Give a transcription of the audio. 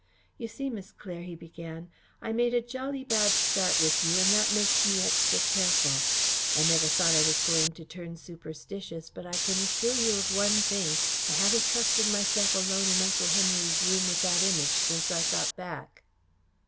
"You see, Miss Claire," he began, "I made a jolly bad start with you and that makes me extra careful. I never thought I was going to turn superstitious, but I can assure you of one thing I haven't trusted myself alone in Uncle Henry's room with that Image since I got back."